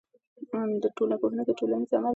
ټولنپوهنه د ټولنیز عمل د بېلا بېلو ډګرونو څېړنه ده.